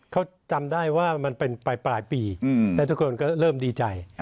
เขาจำได้ว่ามันเป็นปลายปีและทุกคนก็เริ่มดีใจ